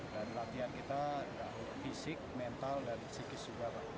dan latihan kita adalah fisik mental dan psikis juga